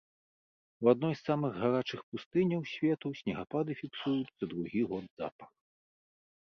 У адной з самых гарачых пустыняў свету снегапады фіксуюцца другі год запар.